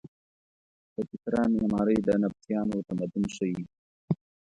د پیترا معمارۍ د نبطیانو تمدن ښیې.